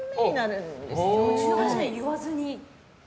１８年言わずに？